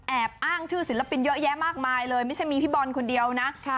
อ้างชื่อศิลปินเยอะแยะมากมายเลยไม่ใช่มีพี่บอลคนเดียวนะ